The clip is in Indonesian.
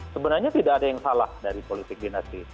sebenarnya tidak ada yang salah dari politik dinasti